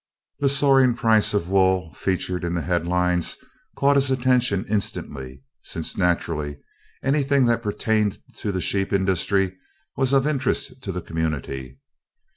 The soaring price of wool, featured in the headlines, caught his attention instantly, since, naturally, anything that pertained to the sheep industry was of interest to the community.